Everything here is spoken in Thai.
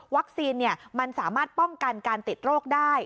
มันสามารถป้องกันการติดโรคได้